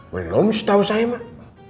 belum setahu saya pak